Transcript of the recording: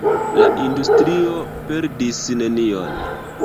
La industrio perdis nenion.